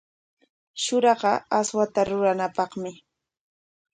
Shuraqa aswata ruranapaqmi.